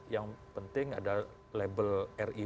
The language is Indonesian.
yang penting ada label ri